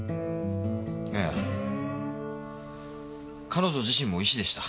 彼女自身も医師でした。